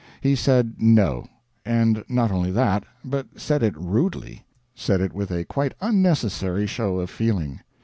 He said no; and not only that, but said it rudely; said it with a quite unnecessary show of feeling.